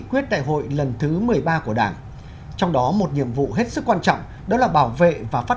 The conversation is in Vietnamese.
quyết đại hội lần thứ một mươi ba của đảng trong đó một nhiệm vụ hết sức quan trọng đó là bảo vệ và phát